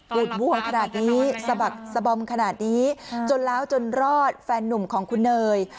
วดวัวขนาดนี้สะบักสะบอมขนาดนี้จนแล้วจนรอดแฟนนุ่มของคุณเนย